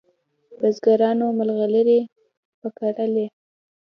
بزګرانو مرغلري په کرلې